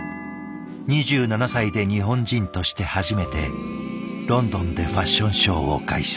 ２７歳で日本人として初めてロンドンでファッションショーを開催。